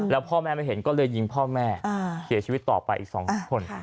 แล้วพ่อแม่ไม่เห็นก็เลยยิงพ่อแม่เสียชีวิตต่อไปอีก๒คน